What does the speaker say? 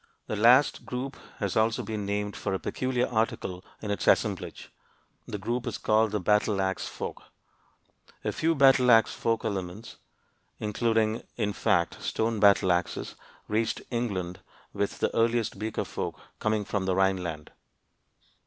This last group has also been named for a peculiar article in its assemblage; the group is called the Battle axe folk. A few Battle axe folk elements, including, in fact, stone battle axes, reached England with the earliest Beaker folk, coming from the Rhineland.